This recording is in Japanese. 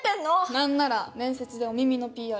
なんなら面接で「お耳」のＰＲ